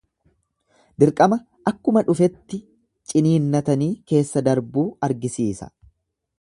Dirqama akkuma dhufetti ciniinnatanii keessa darbuu argisiisa.